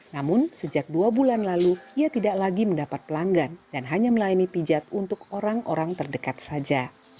namun sejak dua bulan lalu ia tidak lagi mendapat pelanggan dan hanya melayani pijat untuk orang orang terdekat saja